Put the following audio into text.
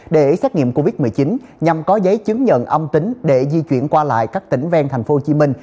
để xét nghiệm covid một mươi chín nhằm có giấy chứng nhận âm tính để di chuyển qua lại các tỉnh ven thành phố hồ chí minh